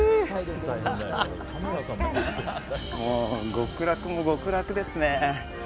極楽も極楽ですね。